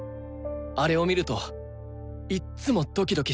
あれを見るといっつもドキドキしてた。